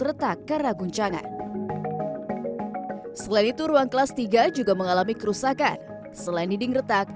retak karena guncangan selain itu ruang kelas tiga juga mengalami kerusakan selain dinding retak